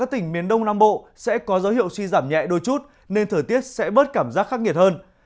tỉnh miền đông nam bộ sẽ có dấu hiệu suy giảm nhẹ đôi chút nên thời tiết sẽ bớt cảm giác khắc nghiệt hơn